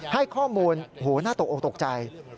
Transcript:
ให้ข้อมูลโหน่าตกออกตกใจ